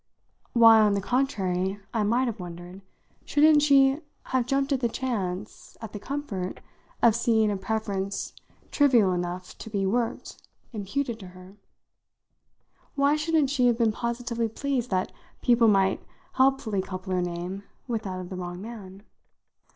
Why, on the contrary, I might have wondered, shouldn't she have jumped at the chance, at the comfort, of seeing a preference trivial enough to be "worked" imputed to her? Why shouldn't she have been positively pleased that people might helpfully couple her name with that of the wrong man?